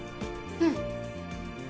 うん。